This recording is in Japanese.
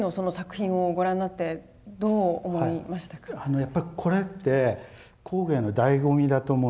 やっぱりこれって工芸のだいご味だと思うんです。